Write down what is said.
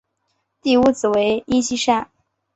第五子为尹继善。